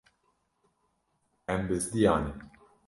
Em bizdiyane.